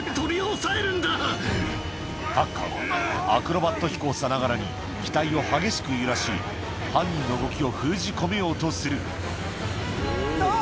タッカーはアクロバット飛行さながらに機体を激しく揺らし犯人の動きを封じ込めようとするうわ！